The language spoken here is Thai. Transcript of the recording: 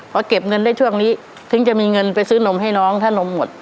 พอเก็บเงินได้ช่วงนี้ถึงจะมีเงินไปซื้อนมให้น้องถ้านมหมด